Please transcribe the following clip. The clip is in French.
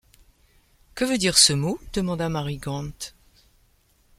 Que veut dire ce mot ? demanda Mary Grant.